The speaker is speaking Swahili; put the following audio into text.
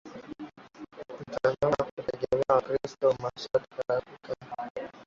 kutonyanyasa kutenga wakristo wa mashariki ya kati